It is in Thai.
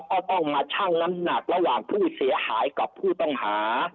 ก็ต้องมาชั่งน้ำหนักระหว่างผู้เสียหายกับผู้ต้องหา